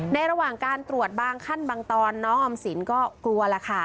ระหว่างการตรวจบางขั้นบางตอนน้องออมสินก็กลัวล่ะค่ะ